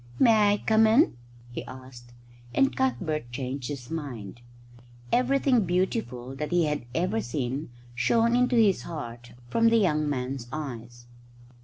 "May I come in?" he asked, and Cuthbert changed his mind. Everything beautiful that he had ever seen shone into his heart from the young man's eyes.